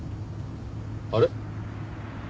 あれ？